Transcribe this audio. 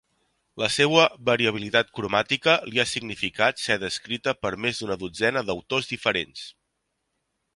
La seua variabilitat cromàtica li ha significat ser descrita per més d'una dotzena d'autors diferents.